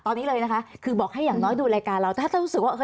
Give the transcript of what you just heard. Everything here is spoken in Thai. ทำไมรัฐต้องเอาเงินภาษีประชาชนไปจ้างกำลังผลมาโจมตีประชาชน